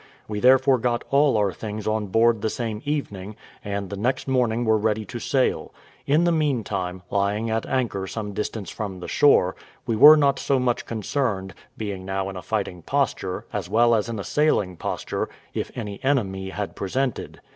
We therefore got all our things on board the same evening, and the next morning were ready to sail: in the meantime, lying at anchor at some distance from the shore, we were not so much concerned, being now in a fighting posture, as well as in a sailing posture, if any enemy had presented.